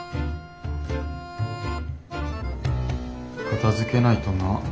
片づけないとな。